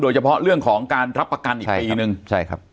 เฉพาะเรื่องของการรับประกันอีกปีนึงใช่ครับ